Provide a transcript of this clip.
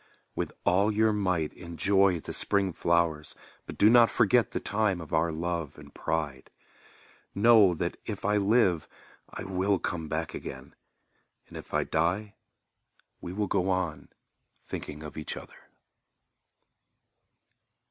With all your might enjoy the spring flowers, But do not forget the time of our love and pride. Know that if I live, I will come back again, And if I die, we will go on thinking of each other.